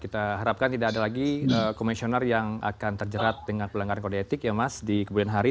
kita harapkan tidak ada lagi komisioner yang akan terjerat dengan pelanggaran kode etik ya mas di kemudian hari